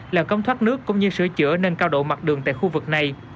làm cống thoát nước cũng như sửa chữa nên cao độ mặt đường tại khu vực này